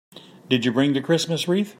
Did you bring the Christmas wreath?